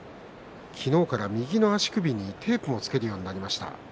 昨日から右の足首にテープをつけるようになりました。